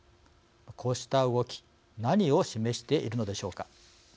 こうした動き何を示しているのでしょうか。